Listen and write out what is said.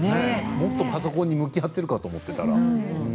もっとパソコンに向き合っているかと思いました。